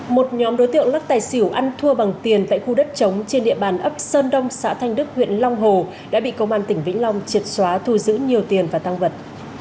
một nhóm đối tượng lắc tài xỉu ăn thua bằng tiền tại khu đất trống trên địa bàn ấp sơn đông xã thanh đức huyện long hồ đã bị công an tỉnh vĩnh long triệt xóa thu giữ nhiều tiền và tăng vật